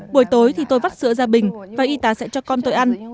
buổi tối thì tôi vắt sữa ra bình và y tá sẽ cho con tôi ăn